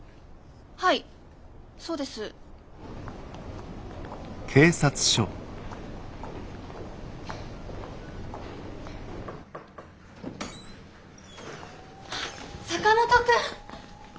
はいそうです。坂本君。